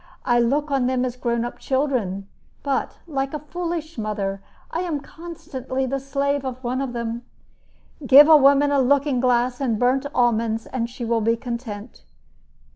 I look on them as grown up children; but, like a foolish mother, I am constantly the slave of one of them. Give a woman a looking glass and burnt almonds, and she will be content.